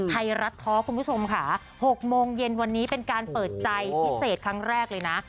ไทยรัฐท้อคุณผู้ชมค่ะ๖โมงเย็นวันนี้เป็นการเปิดใจพิเศษครั้งแรกเลยนะ